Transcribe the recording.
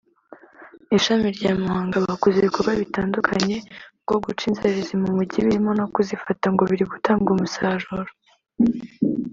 Ishami rya Muhanga bakoze ibikorwa bitandukanye bwo guca inzererezi mu Mujyi birimo no kuzifata ngo biri gutanga umusaruro